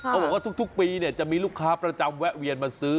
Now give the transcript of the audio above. บอกว่าทุกปีจะมีลูกค้าประจำแวะเวียนมาซื้อ